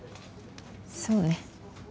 そうね。